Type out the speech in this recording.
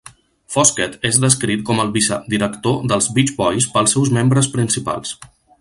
Foskett és descrit com el "vicedirector" dels Beach Boys pels seus membres principals.